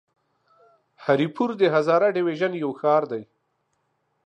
هري پور د هزاره ډويژن يو ښار دی.